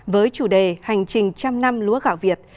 với chủ đề hành trình trăm năm lúa gạo việt